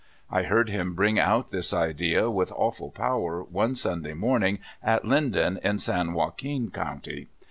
I heard him bring out this idea with awful power one Sunday morning at Linden, in San Joaquin County.